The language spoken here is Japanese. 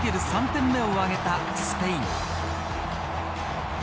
３点目を挙げたスペイン。